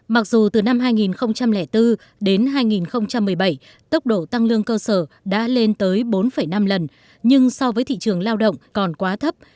mặc dù từ năm hai nghìn bốn đến hai nghìn một mươi bảy tốc độ tăng lương cơ sở đã lên tới bốn năm lần nhưng so với thị trường lao động còn quá thấp